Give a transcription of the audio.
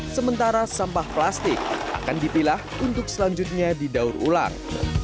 sementara sampah plastik akan dipilah untuk selanjutnya didaur ulang